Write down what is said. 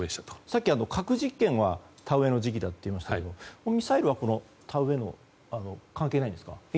さっき、核実験は田植えの時期だといいましたがミサイルは田植えは関係ないんですか？